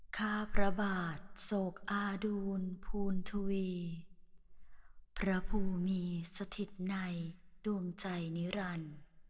ข้าประบาทโศกอาดูนภูนทุวีพระภูมิสถิตในดุมใจนิรัน